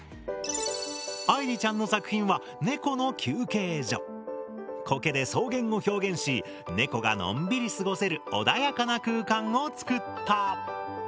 愛莉ちゃんの作品は「ねこの休憩所」。コケで草原を表現しねこがのんびり過ごせる穏やかな空間を作った。